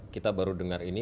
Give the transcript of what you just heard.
kita baru dengar ini